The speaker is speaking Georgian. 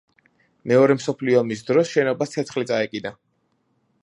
მეორე მსოფლიო ომის დროს შენობას ცეცხლი წაეკიდა.